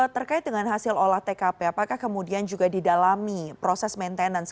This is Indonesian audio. terkait dengan hasil olah tkp apakah kemudian juga didalami proses maintenance